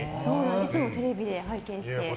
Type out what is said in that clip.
いつもテレビで拝見して。